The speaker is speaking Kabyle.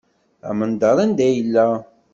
Amendeṛ anda yella.